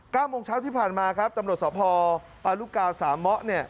โมงเช้าที่ผ่านมาครับตำรวจสภปารุกาสามะเนี่ย